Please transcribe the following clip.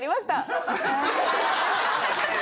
ハハハハ！